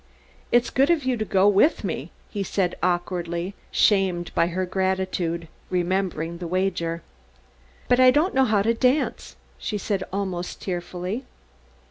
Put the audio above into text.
"It's good of you to go with me," he said awkwardly, shamed by her gratitude, remembering the wager. "But I don't know how to dance," she said almost tearfully.